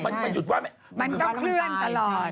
มันต้องเคลื่อนตลอด